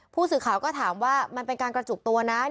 ผู้สื่อข่าวก็ถามว่ามันเป็นการกระจุกตัวนะ